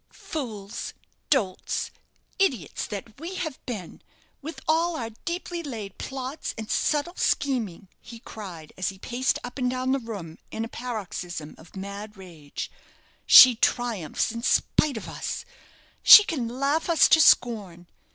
"Fools! dolts! idiots that we have been, with all our deeply laid plots and subtle scheming," he cried, as he paced up and down the room in a paroxysm of mad rage, "She triumphs in spite of us she can laugh us to scorn!